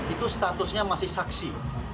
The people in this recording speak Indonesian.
itu statusnya masih saksi